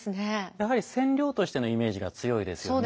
やはり染料としてのイメージが強いですよね。